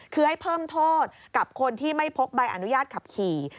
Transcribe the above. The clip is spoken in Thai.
คือให้เพิ่มโทษกับคนที่ไม่พกใบอนุญาตขับขี่